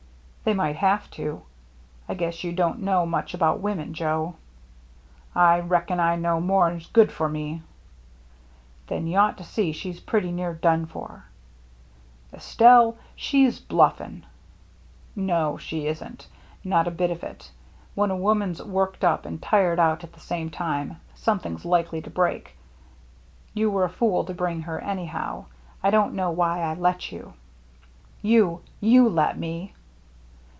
" They might have to. I guess you don't know much about women, Joe." " I reckon I know more'n's good for me." "Then you ought to see she's pretty near done for." "Estelle? She's bluffing." " No, she isn't. Not a bit of it. When a jio THE MERRT JXXE woman's worked op and tired oat at the same time, something's likeir to break. Toa were a fool to bring her, anyhow. I don't know why I let TOO." "^nu/ r^letme!"